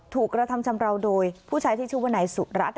กระทำชำราวโดยผู้ชายที่ชื่อว่านายสุรัตน